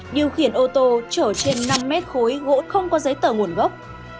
điều khiển ô tô chở trên năm mét khối gỗ không có giấy tờ nguồn gốc